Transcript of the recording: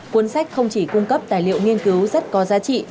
cuốn sách không chỉ cung cấp tài liệu nghiên cứu rất có giá trị